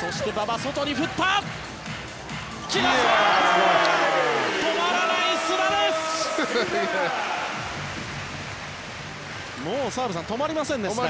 そして、馬場外に振った！来ました！